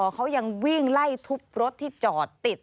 เขายังวิ่งไล่ทุบรถที่จอดติด